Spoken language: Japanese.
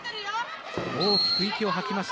大きく息を吐きました